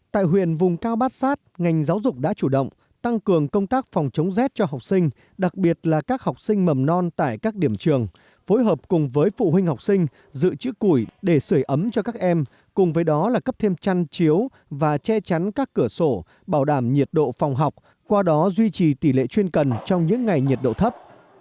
tại huyền vùng cao bát sát ngành giáo dục đã chủ động tăng cường công tác phòng chống z cho học sinh đặc biệt là các học sinh mầm non tại các điểm trường phối hợp cùng với phụ huynh học sinh dự trữ củi để sửa ấm cho các em cùng với đó là cấp thêm chăn chiếu và che chắn các cửa sổ bảo đảm nhiệt độ phòng học qua đó duy trì tỷ lệ chuyên cần trong những ngày nhiệt độ thấp